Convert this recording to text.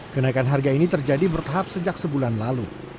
kenaikan harga ini terjadi bertahap sejak sebulan lalu